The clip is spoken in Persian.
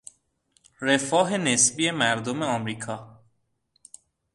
رفاه نسبی مردم امریکا